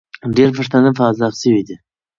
ډېر پښتانه په عذاب سوي دي.